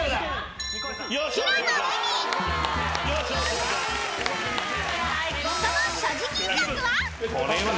［その所持金額は？］